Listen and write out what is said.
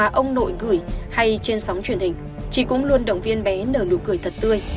bà ông nội gửi hay trên sóng truyền hình chị cũng luôn động viên bé nờ nụ cười thật tươi